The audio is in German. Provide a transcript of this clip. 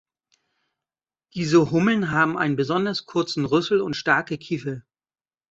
Diese Hummeln haben einen besonders kurzen Rüssel und starke Kiefer.